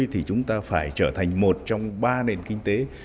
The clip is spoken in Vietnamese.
thì chúng ta phải trở thành một trong ba nền kinh tế